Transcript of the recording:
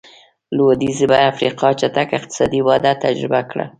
لوېدیځې افریقا چټکه اقتصادي وده تجربه کړه.